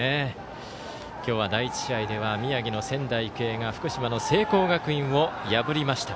今日は第１試合では宮城の仙台育英が福島の聖光学院を破りました。